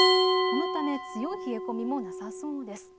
このため強い冷え込みもなさそうです。